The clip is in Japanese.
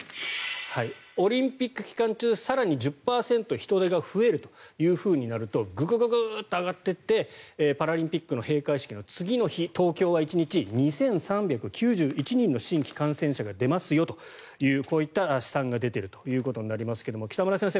オリンピック期間中更に１０％人出が増えるとなるとググッと上がっていってパラリンピックの閉会式の次の日東京は１日、２３９１人の新規感染者が出ますよというこういった試算が出ているということになりますが北村先生